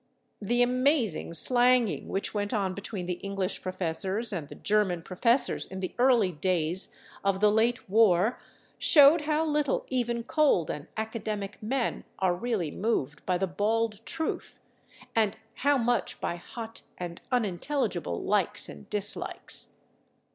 The amazing slanging which went on between the English professors and the German professors in the early days of the late war showed how little even cold and academic men are really moved by the bald truth and how much by hot and unintelligible likes and dislikes.